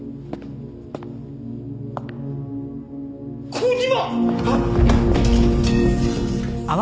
小島！？